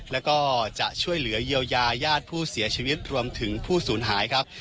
แล้วก็จะช่วยเหลือเยียวยาญาติผู้เสียชีวิตรวมถึงผู้สูญหายครับ